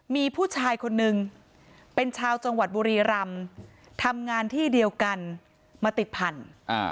มีผู้ชายคนนึงเป็นชาวจังหวัดบุรีรำทำงานที่เดียวกันมาติดพันธุ์